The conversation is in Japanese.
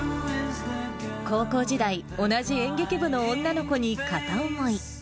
高校時代、同じ演劇部の女の子に片思い。